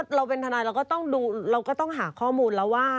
เราเป็นทนายเราก็ต้องหาข้อมูลแล้วว่า